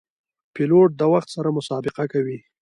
پیلوټ د وخت سره مسابقه کوي.